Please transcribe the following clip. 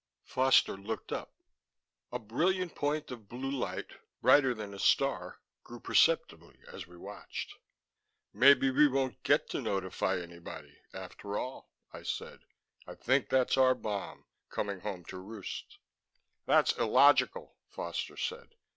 Foster looked up. A brilliant point of blue light, brighter than a star, grew perceptibly as we watched. "Maybe we won't get to notify anybody after all," I said. "I think that's our bomb coming home to roost." "That's illogical," Foster said.